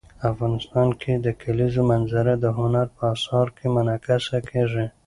افغانستان کې د کلیزو منظره د هنر په اثار کې منعکس کېږي.